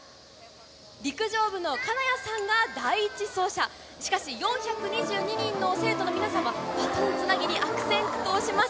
陸上部の金谷さんが第１走者、しかし、４２２人の生徒の皆さんがバトンつなぎに悪戦苦闘します。